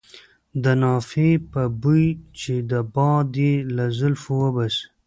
د نافې په بوی چې باد یې له زلفو وباسي.